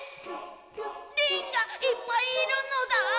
リンがいっぱいいるのだ？